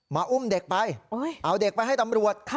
อุ้มเด็กไปเอาเด็กไปให้ตำรวจ